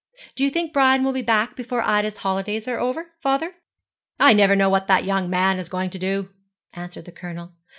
Do you think Brian will be back before Ida's holidays are over, father?' 'I never know what that young man is going to do,' answered the Colonel.